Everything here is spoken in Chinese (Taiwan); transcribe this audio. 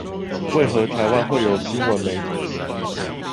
為何台灣會有新聞媒體